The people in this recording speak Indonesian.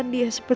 terima kasih bud